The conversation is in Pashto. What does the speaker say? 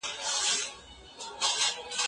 تاسو ته اجازه ده چې د هغوی په سیرت کې څیړنه وکړئ.